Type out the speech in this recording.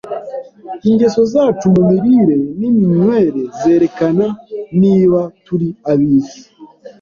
Ingeso zacu mu mirire n’iminywere zerekana niba turi ab’isi